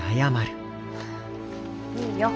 いいよ。